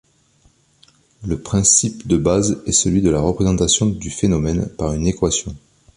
Le principe de base est celui de la représentation du phénomène par une équation.